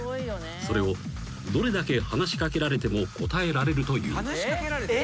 ［それをどれだけ話し掛けられても答えられるという］